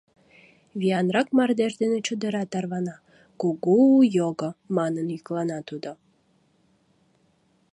Виянрак мардеж дене чодыра тарвана: «кугу-у його!» манын йӱклана тудо.